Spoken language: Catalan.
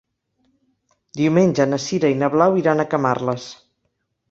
Diumenge na Sira i na Blau iran a Camarles.